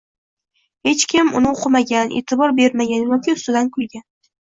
Hech kim uni oʻqimagan, eʼtibor bermagan yoki ustidan kulgan.